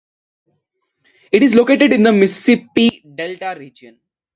It is located in the Mississippi Delta region.